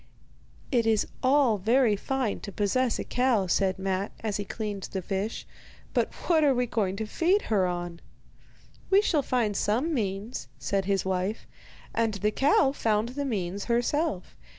'It is all very fine to possess a cow,' said Matte, as he cleaned the fish; 'but what are we going to feed her on?' 'We shall find some means,' said his wife; and the cow found the means herself.